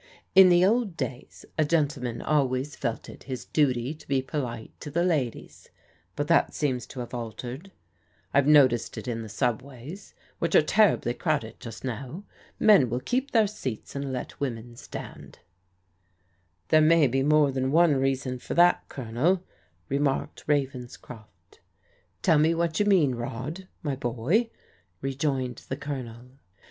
" In the old days a gentleman always felt it his duty to be polite to ladies; but that seems to have altered. I've noticed it in the subways, which are terribly crowded just now. Men will keep their seats, and let women stand." ^ "There may be more than one reason for that, Colonel," remarked Ravenscroft. " Tell me what you mean, Rod, my boy," rejoined the Colonel.